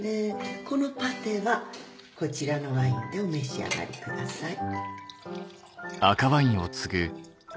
このパテはこちらのワインでお召し上がりください。